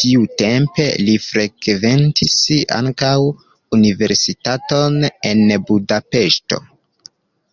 Tiutempe li frekventis ankaŭ universitaton en Budapeŝto.